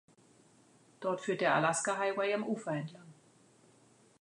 Dort führt der Alaska Highway am Ufer entlang.